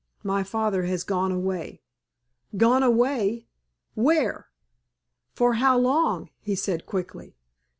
My father has gone away." "Gone away! Where? For how long?" he said, quickly.